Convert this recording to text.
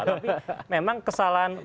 tapi memang kesalahan